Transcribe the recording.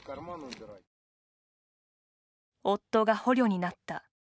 夫が捕虜になった。